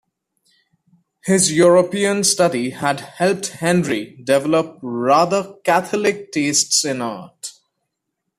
His European study had helped Henri develop rather Catholic tastes in art.